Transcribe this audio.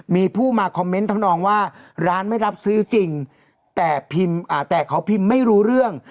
มีผู้มาคอมเมนต์ทำนองว่าร้านไม่รับซื้อจริงแต่เขาพิมพ์ไม่รู้เรื่อง